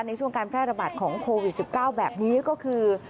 ในช่วงการแพร่ระบาดของโควิด๑๙แบบนี้ก็คือ